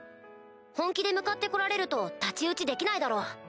本気で向かって来られると太刀打ちできないだろう。